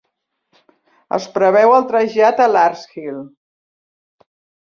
Es preveu el trasllat a Larkhill.